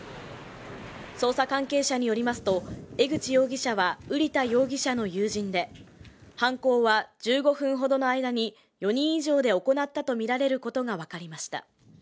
捜査関係者によりますと江口容疑者は瓜田容疑者の友人で犯行は１５分ほどの間に４人以上で行ったとみられることがわかりました。